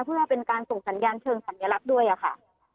เพื่อเป็นการส่งสัญญาณเชิงสัญลักษณ์ด้วยค่ะ